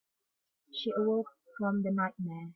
She awoke from the nightmare.